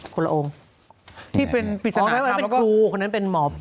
คนละองค์ที่เป็นปิดทองได้ไหมเป็นครูคนนั้นเป็นหมอ